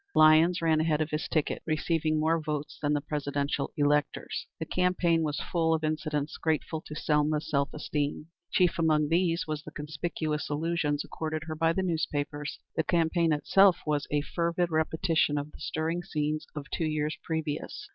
Lyons ran ahead of his ticket, receiving more votes than the presidential electors. The campaign was full of incidents grateful to Selma's self esteem. Chief among these was the conspicuous allusions accorded her by the newspapers. The campaign itself was a fervid repetition of the stirring scenes of two years previous.